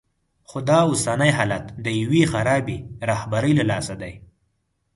خو دا اوسنی حالت د یوې خرابې رهبرۍ له لاسه دی.